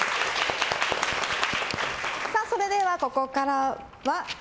それでは、ここからは。